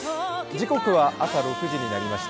時刻は朝６時になりました。